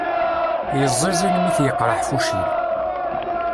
Yeẓẓizin mi t-yeqreḥ fuccil.